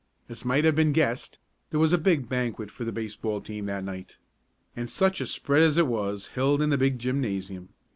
As might have been guessed, there was a big banquet for the baseball team that night. And such a spread as it was, held in the big gymnasium.